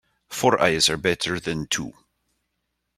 Four eyes are better than two.